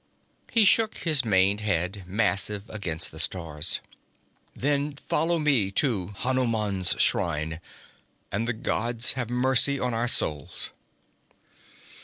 He shook his maned head, massive against the stars. 'Then follow me to Hanuman's shrine, and the gods have mercy on our souls!'